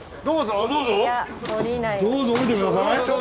どうぞ降りてください。